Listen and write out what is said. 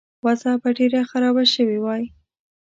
وضع به ډېره خرابه شوې وای.